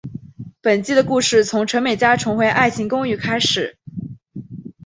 本季的故事从陈美嘉重回爱情公寓开始。